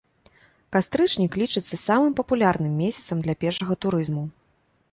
Кастрычнік лічыцца самым папулярным месяцам для пешага турызму.